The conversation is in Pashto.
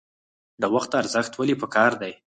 د وخت ارزښت ولې پکار دی؟